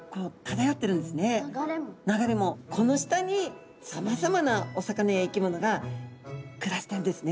この下にさまざまなお魚や生き物が暮らしてるんですね。